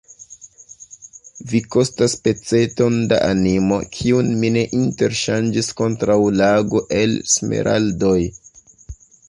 Vi kostas peceton da animo, kiun mi ne interŝanĝis kontraŭ lago el smeraldoj!